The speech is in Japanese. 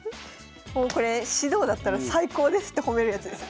もうこれ指導だったら最高ですって褒めるやつです。